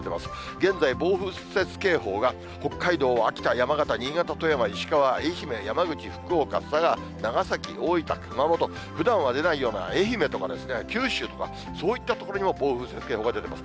現在、暴風雪警報が北海道、秋田、山形、新潟、富山、石川、愛媛、山口、福岡、佐賀、長崎、大分、熊本、ふだんは出ないような愛媛とか九州とか、そういった所にも暴風雪警報が出ています。